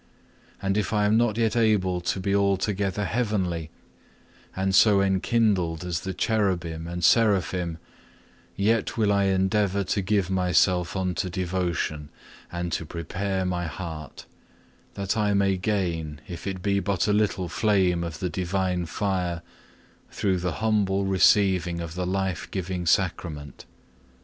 And if I am not yet able to be altogether heavenly and so enkindled as the Cherubim and Seraphim, yet will I endeavour to give myself unto devotion, and to prepare my heart, that I may gain if it be but a little flame of the divine fire, through the humble receiving of the life giving Sacrament.